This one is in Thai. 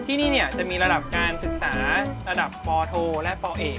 ที่นี่จะมีระดับการศึกษาระดับปโทและปเอก